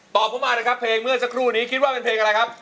เข้ามานะครับเพลงเมื่อสักครู่นี้คิดว่าเป็นเพลงอะไรครับ